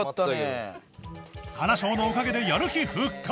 はなしょーのおかげでやる気復活！